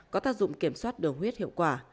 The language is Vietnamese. có tác dụng kiểm soát đường huyết hiệu quả